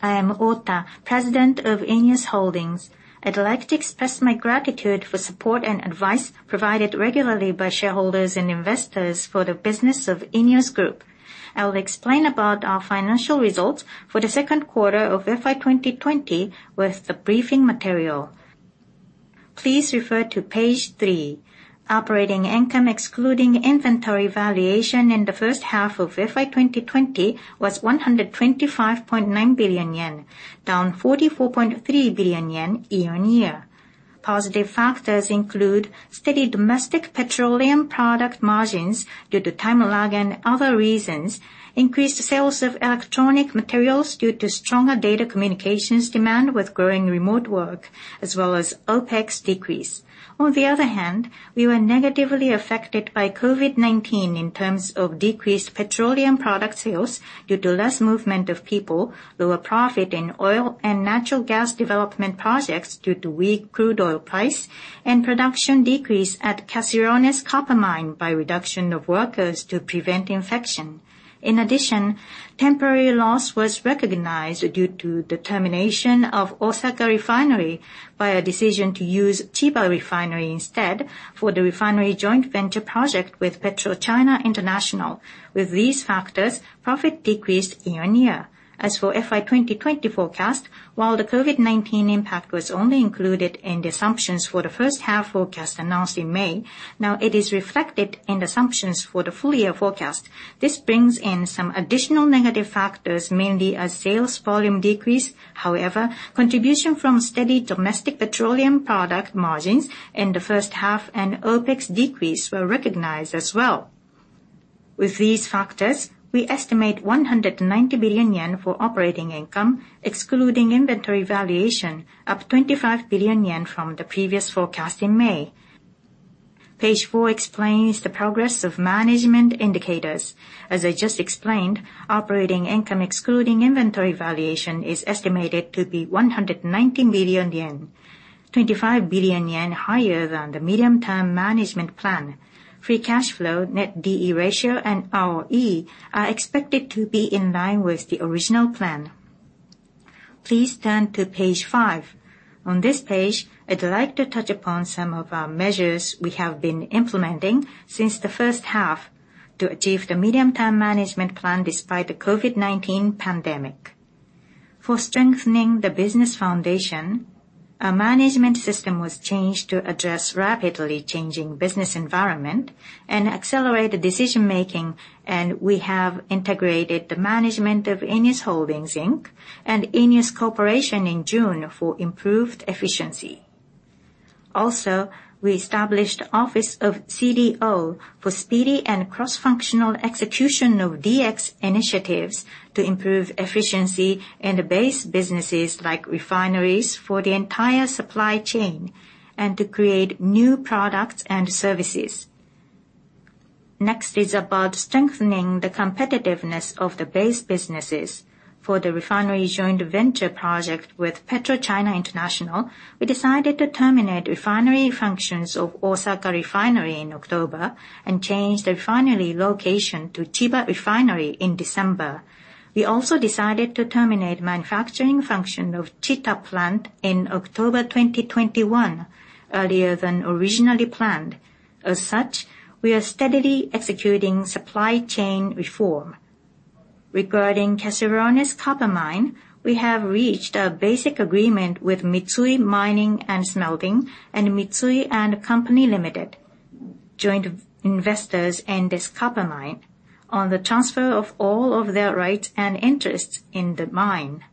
I am Ota, President of ENEOS Holdings. I'd like to express my gratitude for support and advice provided regularly by shareholders and investors for the business of ENEOS Group. I will explain about our financial results for the Q2 of FY 2020 with the briefing material. Please refer to page three. Operating income, excluding inventory valuation in the first half of FY 2020 was 125.9 billion yen, down 44.3 billion yen year-on-year. Positive factors include steady domestic petroleum product margins due to time lag and other reasons, increased sales of electronic materials due to stronger data communications demand with growing remote work, as well as OpEx decrease. On the other hand, we were negatively affected by COVID-19 in terms of decreased petroleum product sales due to less movement of people, lower profit in oil and natural gas development projects due to weak crude oil price, and production decrease at Caserones copper mine by reduction of workers to prevent infection. In addition, temporary loss was recognized due to the termination of Osaka Refinery by a decision to use Chiba Refinery instead for the refinery joint venture project with PetroChina International. With these factors, profit decreased year-on-year. As for FY 2020 forecast, while the COVID-19 impact was only included in the assumptions for the first half forecast announced in May, now it is reflected in the assumptions for the full year forecast. This brings in some additional negative factors, mainly a sales volume decrease. Contribution from steady domestic petroleum product margins in the first half and OpEx decrease were recognized as well. With these factors, we estimate 190 billion yen for operating income, excluding inventory valuation, up 25 billion yen from the previous forecast in May. Page four explains the progress of management indicators. As I just explained, operating income excluding inventory valuation is estimated to be 190 billion yen, 25 billion yen higher than the medium-term management plan. Free cash flow, net D/E ratio, and ROE are expected to be in line with the original plan. Please turn to page five. On this page, I'd like to touch upon some of our measures we have been implementing since the first half to achieve the medium-term management plan despite the COVID-19 pandemic. For strengthening the business foundation, our management system was changed to address rapidly changing business environment and accelerate the decision-making, and we have integrated the management of ENEOS Holdings, Inc. and ENEOS Corporation in June for improved efficiency. We established Office of CDO for speedy and cross-functional execution of DX initiatives to improve efficiency in the base businesses like refineries for the entire supply chain, and to create new products and services. Next is about strengthening the competitiveness of the base businesses. For the refinery joint venture project with PetroChina International, we decided to terminate refinery functions of Osaka Refinery in October and change the refinery location to Chiba Refinery in December. We also decided to terminate manufacturing function of Chita Plant in October 2021, earlier than originally planned. As such, we are steadily executing supply chain reform. Regarding Caserones copper mine, we have reached a basic agreement with Mitsui Mining and Smelting and Mitsui & Co. Ltd., joint investors in this copper mine, on the transfer of all of their rights and interests in the mine.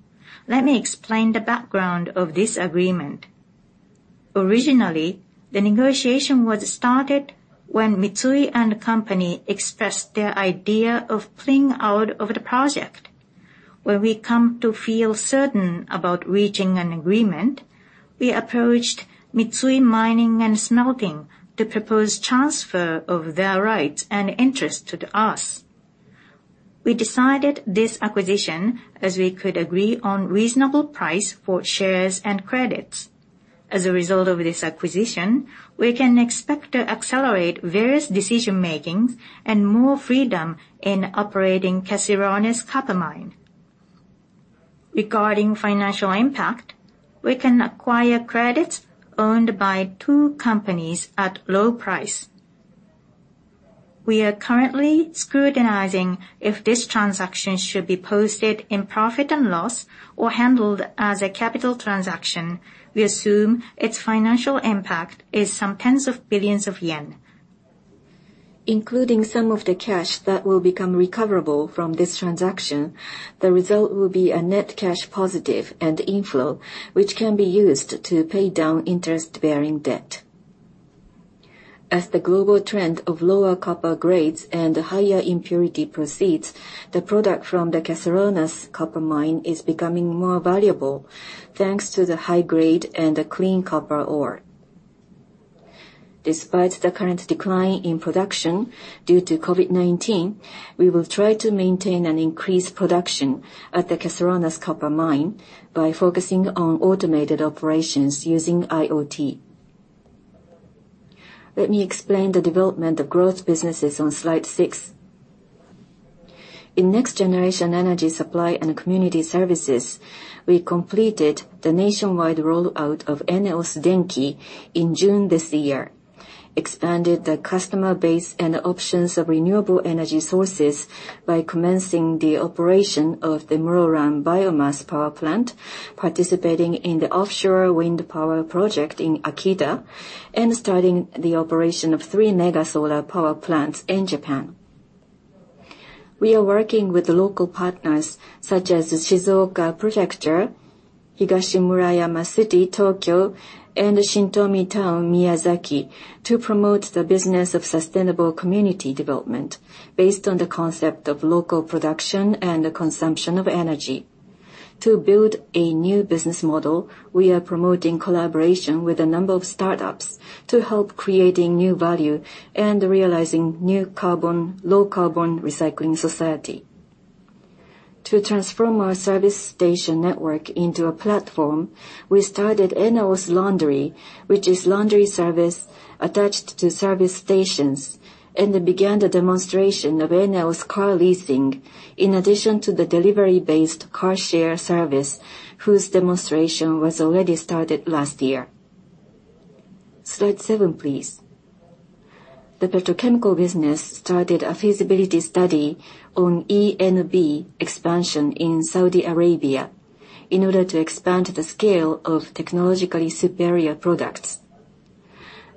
Let me explain the background of this agreement. Originally, the negotiation was started when Mitsui & Co. expressed their idea of pulling out of the project. When we come to feel certain about reaching an agreement, we approached Mitsui Mining and Smelting to propose transfer of their rights and interest to us. We decided this acquisition as we could agree on reasonable price for shares and credits. As a result of this acquisition, we can expect to accelerate various decision-makings and more freedom in operating Caserones copper mine. Regarding financial impact, we can acquire credits owned by two companies at low price. We are currently scrutinizing if this transaction should be posted in profit and loss or handled as a capital transaction. We assume its financial impact is some tens of billions of JPY. Including some of the cash that will become recoverable from this transaction, the result will be a net cash positive and inflow, which can be used to pay down interest-bearing debt. As the global trend of lower copper grades and higher impurity proceeds, the product from the Caserones copper mine is becoming more valuable, thanks to the high grade and the clean copper ore. Despite the current decline in production due to COVID-19, we will try to maintain an increased production at the Caserones copper mine by focusing on automated operations using IoT. Let me explain the development of growth businesses on slide six. In next generation energy supply and community services, we completed the nationwide rollout of ENEOS Denki in June this year, expanded the customer base and options of renewable energy sources by commencing the operation of the Muroran biomass power plant, participating in the offshore wind power project in Akita, and starting the operation of three mega solar power plants in Japan. We are working with local partners such as the Shizuoka Prefecture, Higashimurayama City, Tokyo, and Shintomi Town, Miyazaki, to promote the business of sustainable community development based on the concept of local production and the consumption of energy. To build a new business model, we are promoting collaboration with a number of startups to help creating new value and realizing new low carbon recycling society. To transform our service station network into a platform, we started ENEOS Laundry, which is laundry service attached to service stations, and then began the demonstration of ENEOS Car Lease, in addition to the delivery-based car share service, whose demonstration was already started last year. slide seven, please. The petrochemical business started a feasibility study on ENB expansion in Saudi Arabia in order to expand the scale of technologically superior products.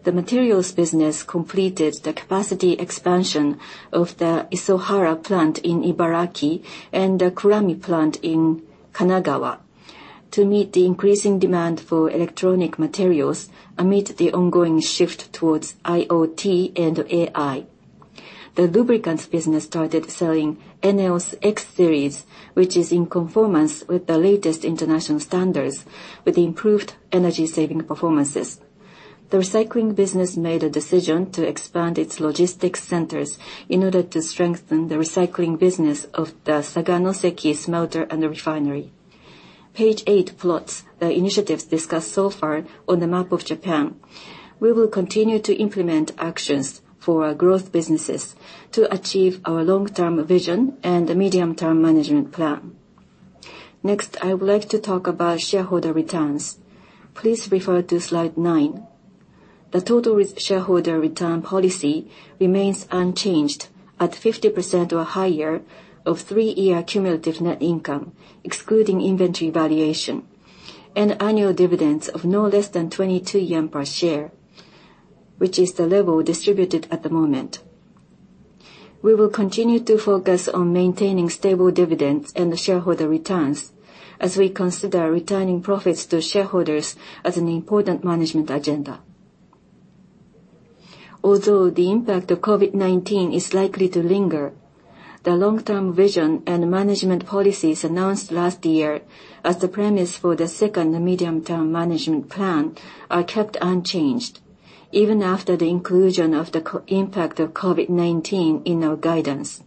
The materials business completed the capacity expansion of the Ibaraki Plant in Ibaraki and the Kurami plant in Kanagawa to meet the increasing demand for electronic materials amid the ongoing shift towards IoT and AI. The lubricants business started selling ENEOS X PRIME Series, which is in conformance with the latest international standards, with improved energy saving performances. The recycling business made a decision to expand its logistics centers in order to strengthen the recycling business of the Saganoseki smelter and refinery. Page eight plots the initiatives discussed so far on the map of Japan. We will continue to implement actions for our growth businesses to achieve our long-term vision and the medium-term management plan. Next, I would like to talk about shareholder returns. Please refer to slide nine. The total shareholder return policy remains unchanged at 50% or higher of three-year cumulative net income, excluding inventory valuation and annual dividends of no less than 22 yen per share, which is the level distributed at the moment. We will continue to focus on maintaining stable dividends and shareholder returns as we consider returning profits to shareholders as an important management agenda. Although the impact of COVID-19 is likely to linger, the long-term vision and management policies announced last year as the premise for the second medium-term management plan are kept unchanged even after the inclusion of the impact of COVID-19 in our guidance.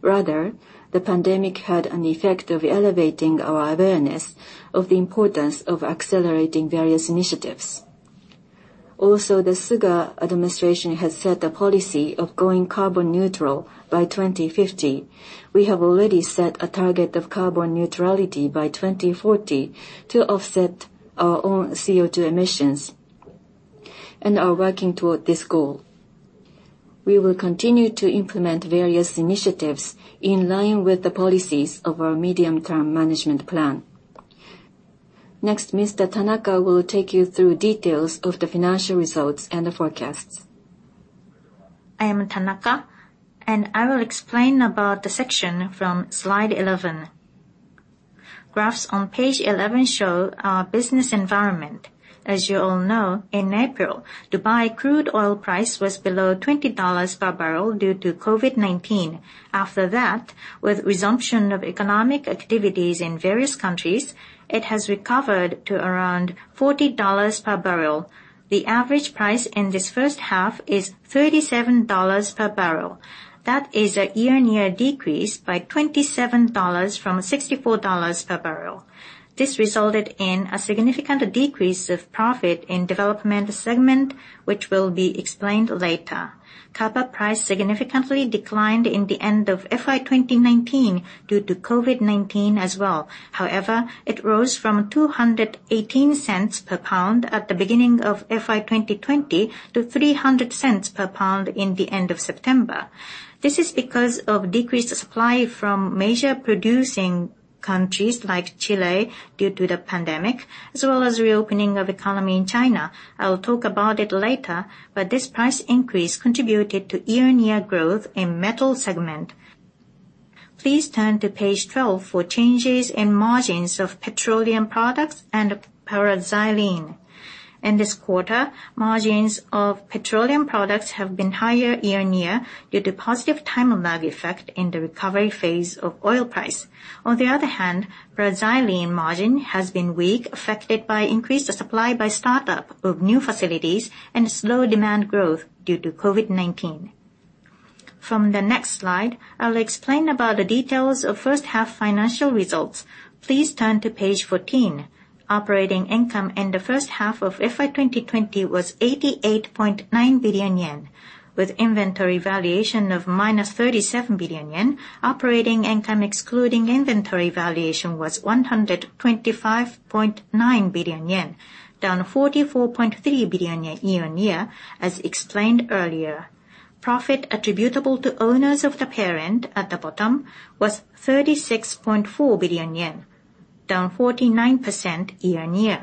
Rather, the pandemic had an effect of elevating our awareness of the importance of accelerating various initiatives. The Suga administration has set a policy of going carbon neutral by 2050. We have already set a target of carbon neutrality by 2040 to offset our own CO2 emissions, and are working toward this goal. We will continue to implement various initiatives in line with the policies of our medium-term management plan. Next, Mr. Tanaka will take you through details of the financial results and the forecasts. I am Tanaka. I will explain about the section from slide 11. Graphs on page 11 show our business environment. As you all know, in April, Dubai crude oil price was below $20 per barrel due to COVID-19. After that, with resumption of economic activities in various countries, it has recovered to around $40 per barrel. The average price in this first half is $37 per barrel. That is a year-on-year decrease by $27 from $64 per barrel. This resulted in a significant decrease of profit in development segment, which will be explained later. Copper price significantly declined in the end of FY 2019 due to COVID-19 as well. It rose from $2.18 per pound at the beginning of FY 2020 to $3.00 per pound in the end of September. This is because of decreased supply from major producing countries like Chile due to the pandemic, as well as reopening of economy in China. I will talk about it later, but this price increase contributed to year-on-year growth in metal segment. Please turn to page 12 for changes in margins of petroleum products and paraxylene. In this quarter, margins of petroleum products have been higher year-on-year due to positive time lag effect in the recovery phase of oil price. On the other hand, paraxylene margin has been weak, affected by increased supply by startup of new facilities and slow demand growth due to COVID-19. From the next slide, I'll explain about the details of first half financial results. Please turn to page 14. Operating income in the first half of FY 2020 was 88.9 billion yen. With inventory valuation of -37 billion yen, operating income excluding inventory valuation was 125.9 billion yen, down 44.3 billion yen year-on-year, as explained earlier. Profit attributable to owners of the parent at the bottom was 36.4 billion yen, down 49% year-on-year.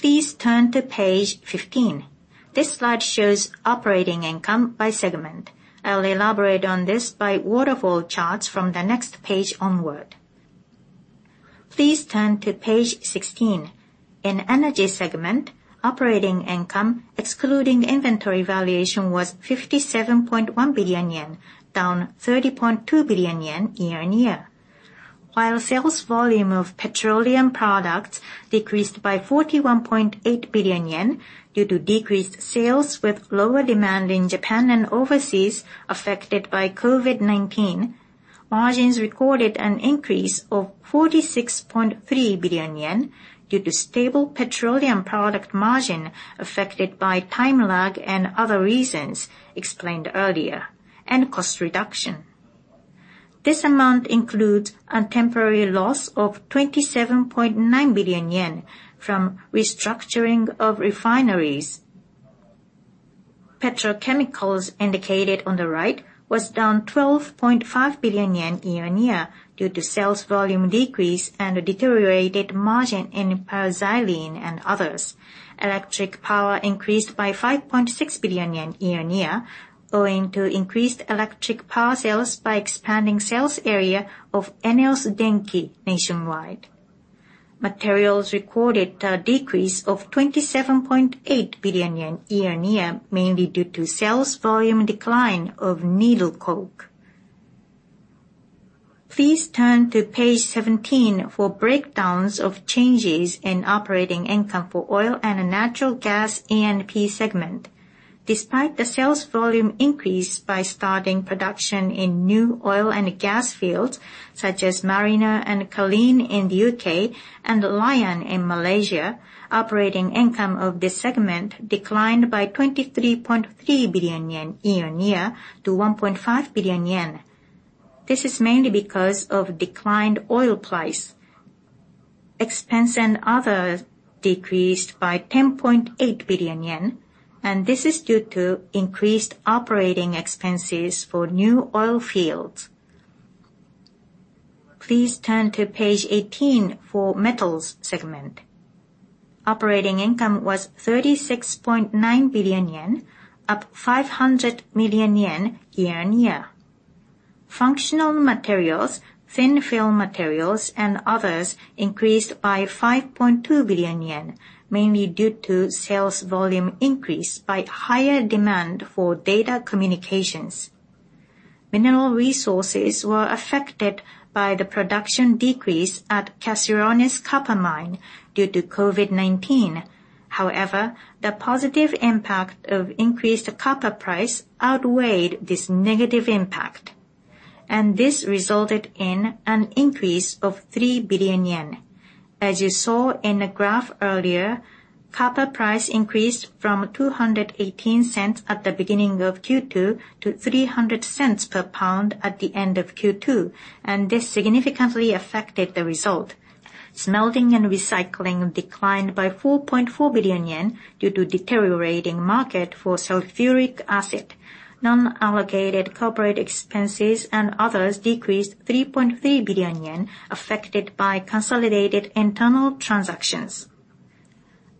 Please turn to page 15. This slide shows operating income by segment. I'll elaborate on this by waterfall charts from the next page onward. Please turn to page 16. In energy segment, operating income excluding inventory valuation was 57.1 billion yen, down 30.2 billion yen year-on-year. While sales volume of petroleum products decreased by 41.8 billion yen due to decreased sales with lower demand in Japan and overseas affected by COVID-19, margins recorded an increase of 46.3 billion yen due to stable petroleum product margin affected by time lag and other reasons explained earlier, and cost reduction. This amount includes a temporary loss of 27.9 billion yen from restructuring of refineries. Petrochemicals indicated on the right was down 12.5 billion yen year on year due to sales volume decrease and a deteriorated margin in paraxylene and others. Electric power increased by 5.6 billion yen year on year, owing to increased electric power sales by expanding sales area of ENEOS Denki nationwide. Materials recorded a decrease of 27.8 billion yen year on year, mainly due to sales volume decline of needle coke. Please turn to page 17 for breakdowns of changes in operating income for oil and natural gas E&P segment. Despite the sales volume increase by starting production in new oil and gas fields, such as Mariner and Culzean in the U.K. and Layang in Malaysia, operating income of this segment declined by 23.3 billion yen year on year to 1.5 billion yen. This is mainly because of declined oil price. Expense and others decreased by 10.8 billion yen, and this is due to increased operating expenses for new oil fields. Please turn to page 18 for metals segment. Operating income was 36.9 billion yen, up 500 million yen year-on-year. Functional materials, thin film materials and others increased by 5.2 billion yen, mainly due to sales volume increase by higher demand for data communications. Mineral resources were affected by the production decrease at Caserones copper mine due to COVID-19. However, the positive impact of increased copper price outweighed this negative impact, and this resulted in an increase of 3 billion yen. As you saw in the graph earlier, copper price increased from $2.18 at the beginning of Q2 to $3.00 per pound at the end of Q2, and this significantly affected the result. Smelting and recycling declined by 4.4 billion yen due to deteriorating market for sulfuric acid. Non-allocated corporate expenses and others decreased 3.3 billion yen, affected by consolidated internal transactions.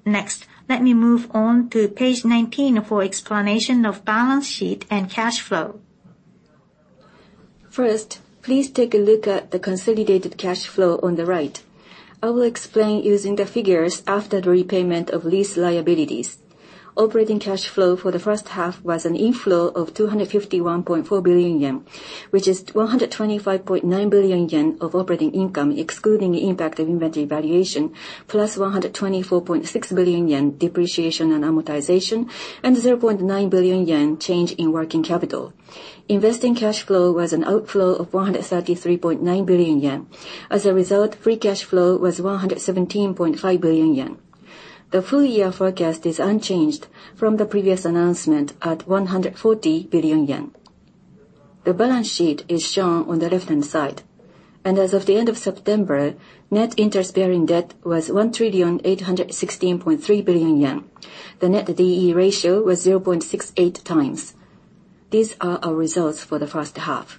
Let me move on to page 19 for explanation of balance sheet and cash flow. Please take a look at the consolidated cash flow on the right. I will explain using the figures after the repayment of lease liabilities. Operating cash flow for the first half was an inflow of 251.4 billion yen, which is 125.9 billion yen of operating income, excluding impact of inventory valuation, +124.6 billion yen depreciation and amortization, and 0.9 billion yen change in working capital. Investing cash flow was an outflow of 133.9 billion yen. Free cash flow was 117.5 billion yen. The full year forecast is unchanged from the previous announcement at 140 billion yen. The balance sheet is shown on the left-hand side, and as of the end of September, net interest-bearing debt was 1,816.3 billion yen. The net D/E ratio was 0.68 times. These are our results for the H1.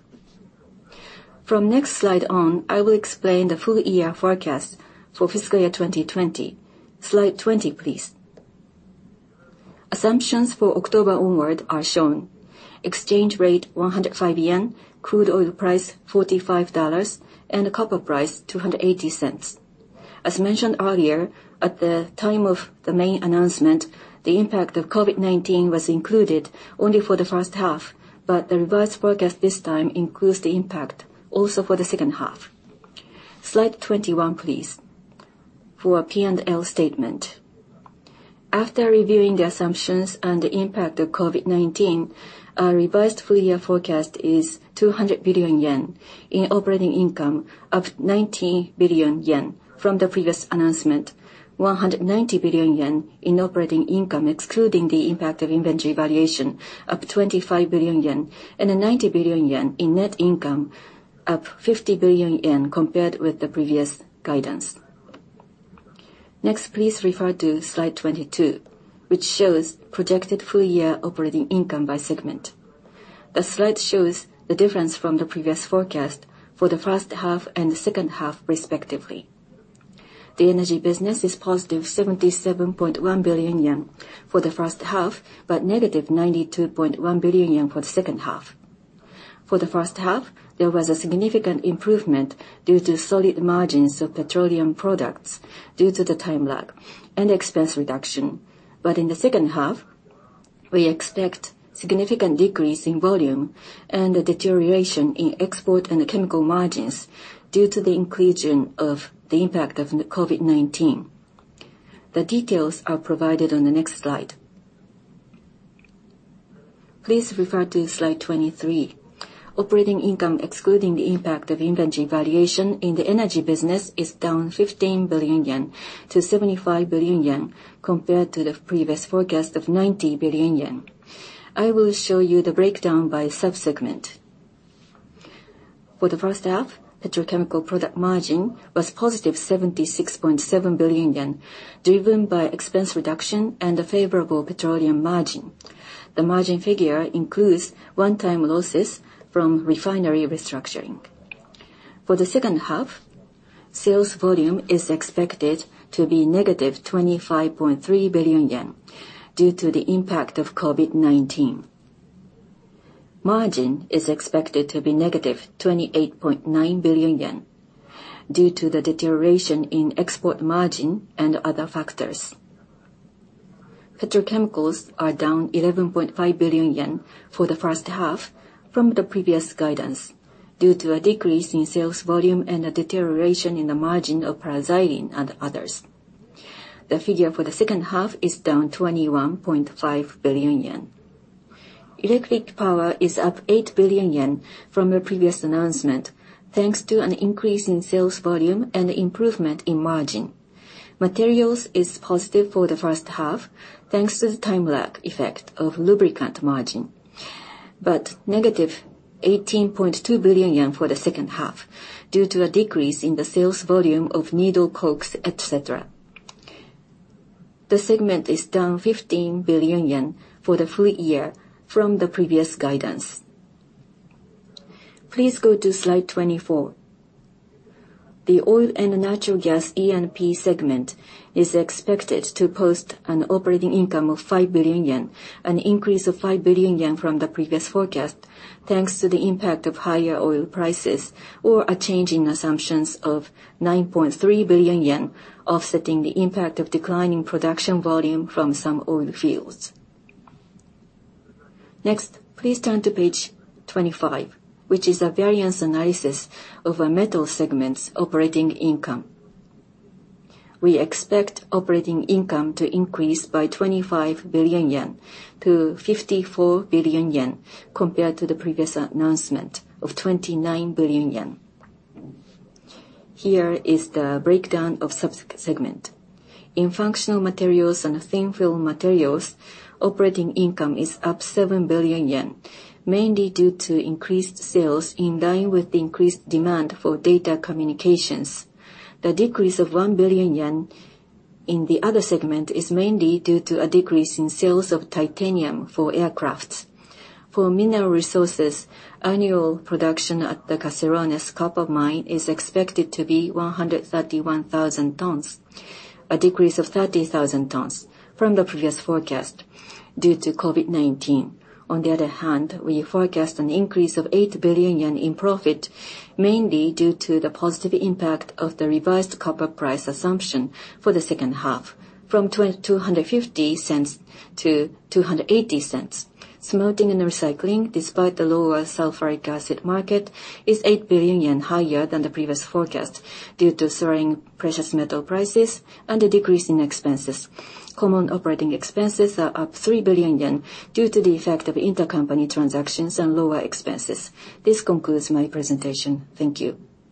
From next slide on, I will explain the full year forecast for fiscal year 2020. Slide 20, please. Assumptions for October onward are shown. Exchange rate, 105 yen, crude oil price, $45, and copper price, $2.80. As mentioned earlier, at the time of the main announcement, the impact of COVID-19 was included only for the first half, but the revised forecast this time includes the impact also for the H2. Slide 21, please, for our P&L statement. After reviewing the assumptions and the impact of COVID-19, our revised full-year forecast is 200 billion yen in operating income, up 19 billion yen from the previous announcement, 190 billion yen in operating income, excluding the impact of inventory valuation, up 25 billion yen, and 90 billion yen in net income, up 50 billion yen compared with the previous guidance. Please refer to slide 22, which shows projected full-year operating income by segment. The slide shows the difference from the previous forecast for the H1 and the H2, respectively. The energy business is +77.1 billion yen for the first half, but -92.1 billion yen for the second half. For the first half, there was a significant improvement due to solid margins of petroleum products due to the time lag and expense reduction. In the H2, we expect significant decrease in volume and a deterioration in export and chemical margins due to the inclusion of the impact of COVID-19. The details are provided on the next slide. Please refer to slide 23. Operating income, excluding the impact of inventory valuation in the energy business, is down 15 billion yen to 75 billion yen compared to the previous forecast of 90 billion yen. I will show you the breakdown by subsegment. For the H1, petroleum product margin was +76.7 billion yen, driven by expense reduction and a favorable petroleum margin. The margin figure includes one-time losses from refinery restructuring. For the second half, sales volume is expected to be -25.3 billion yen due to the impact of COVID-19. Margin is expected to be -28.9 billion yen due to the deterioration in export margin and other factors. Petrochemicals are down 11.5 billion yen for the first half from the previous guidance due to a decrease in sales volume and a deterioration in the margin of paraxylene and others. The figure for the second half is down 21.5 billion yen. Electric power is up 8 billion yen from a previous announcement, thanks to an increase in sales volume and improvement in margin. Materials is positive for the first half, thanks to the time lag effect of lubricant margin, but -18.2 billion yen for the second half due to a decrease in the sales volume of needle coke, et cetera. The segment is down 15 billion yen for the full year from the previous guidance. Please go to slide 24. The oil and natural gas E&P segment is expected to post an operating income of 5 billion yen, an increase of 5 billion yen from the previous forecast, thanks to the impact of higher oil prices or a change in assumptions of 9.3 billion yen offsetting the impact of declining production volume from some oil fields. Next, please turn to page 25, which is a variance analysis of our metal segment's operating income. We expect operating income to increase by 25 billion yen to 54 billion yen compared to the previous announcement of 29 billion yen. Here is the breakdown of subsegment. In functional materials and thin film materials, operating income is up 7 billion yen, mainly due to increased sales in line with the increased demand for data communications. The decrease of 1 billion yen in the other segment is mainly due to a decrease in sales of titanium for aircraft. For mineral resources, annual production at the Caserones copper mine is expected to be 131,000 tons, a decrease of 30,000 tons from the previous forecast due to COVID-19. We forecast an increase of 8 billion yen in profit, mainly due to the positive impact of the revised copper price assumption for the second half from $2.50 to $2.80. Smelting and recycling, despite the lower sulfuric acid market, is 8 billion yen higher than the previous forecast due to soaring precious metal prices and a decrease in expenses. Common operating expenses are up 3 billion yen due to the effect of intercompany transactions and lower expenses. This concludes my presentation. Thank you.